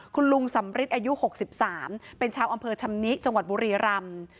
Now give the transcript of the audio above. คุณลุงสำริทอายุ๖๓เป็นชาวอำเภอชำนิจังหวัดบุรีรำ